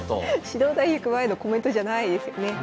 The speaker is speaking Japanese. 指導対局前のコメントじゃないですよね。